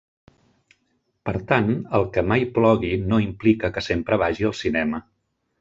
Per tant, el que mai plogui no implica que sempre vagi al cinema.